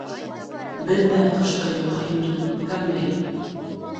Беҙ ҙә ҡышты йоҡо һимертеп үткәрмәйек.